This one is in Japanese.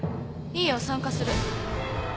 いいよ参加する。